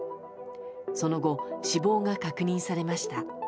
その後、死亡が確認されました。